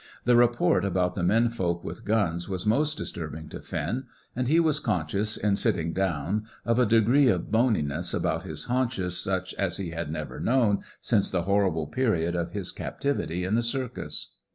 The report about the men folk with guns was most disturbing to Finn, and he was conscious, in sitting down, of a degree of boniness about his haunches such as he had never known since the horrible period of his captivity in the circus.